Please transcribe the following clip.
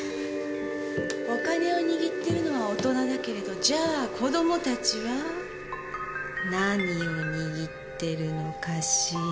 お金を握ってるのは大人だけれどじゃあ子供たちは何を握ってるのかしら？